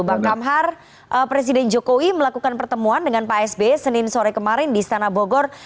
bang kamhar presiden jokowi melakukan pertemuan dengan pak sb senin sore kemarin di istana bogor